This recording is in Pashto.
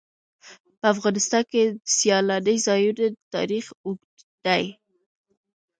په افغانستان کې د سیلانی ځایونه تاریخ اوږد دی.